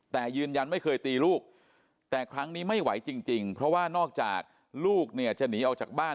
แต่ยืนยันไม่เคยตีลูกแต่ครั้งนี้ไม่ไหวจริงเพราะว่านอกจากลูกเนี่ยจะหนีออกจากบ้าน